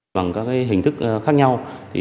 bằng các hình thức khác nhau